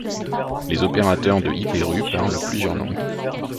Les opérateurs de iperú parlent plusieurs langues.